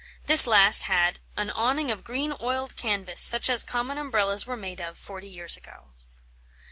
This last had "an awning of green oiled canvas, such as common Umbrellas were made of, forty years ago."